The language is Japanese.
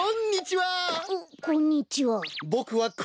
こんにちは！